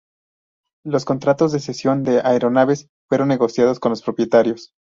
Los contratos de cesión de aeronaves fueron negociados con los propietarios.